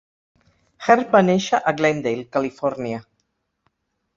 Hearn va néixer a Glendale, Califòrnia.